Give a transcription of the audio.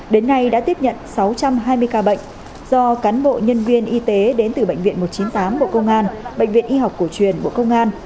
đến nay đã tiếp nhận sáu trăm hai mươi ca bệnh do cán bộ nhân viên y tế đến từ bệnh viện một trăm chín mươi tám bộ công an bệnh viện y học cổ truyền bộ công an